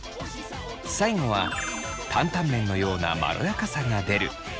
最後は担々麺のようなまろやかさが出るピーナツバター。